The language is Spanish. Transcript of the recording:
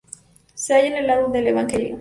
Se halla en el lado del Evangelio.